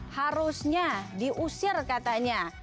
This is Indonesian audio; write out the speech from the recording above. harusnya diusir katanya